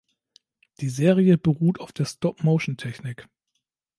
Die Serie beruht auf der Stop-Motion-Technik.